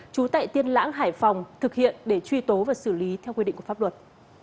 trú tại tiên lãng hải phòng thực hiện để truy tố và xử lý theo quy định của pháp luật